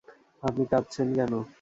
আপনি কাঁদছেন কেন?